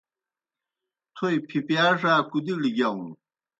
تھوئے پِھپِیا ڙا کُدِیڑ گِیاؤن؟